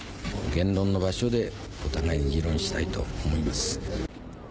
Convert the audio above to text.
言論の場所でお互いに議論したいと思います。